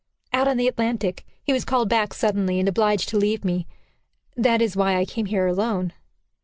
"Out on the Atlantic. He was called back suddenly, and obliged to leave me. That is why I came here alone."